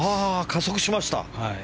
加速しました。